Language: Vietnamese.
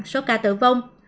số ca tử vong